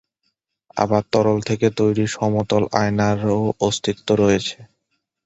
আবার, তরল থেকে তৈরি সমতল আয়নার-ও অস্তিত্ব রয়েছে।